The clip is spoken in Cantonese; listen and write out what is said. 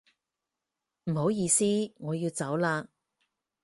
唔好意思，我要走啦